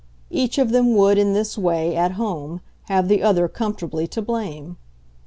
Each of them would, in this way, at home, have the other comfortably to blame.